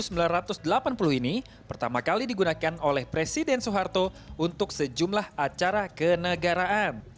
mobil ini pertama kali digunakan oleh presiden soeharto untuk sejumlah acara kenegaraan